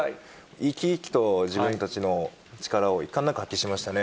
生き生きと自分たちの力をいかんなく発揮しましたね。